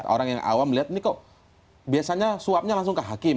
orang yang awam melihat ini kok biasanya suapnya langsung ke hakim